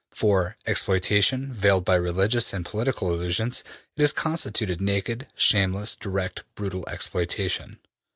'' ``For exploitation, veiled by religious and political illusions, it has substituted naked, shameless, direct, brutal exploitation.''